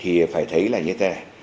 thì phải thấy là như thế này